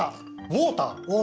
ウォーター。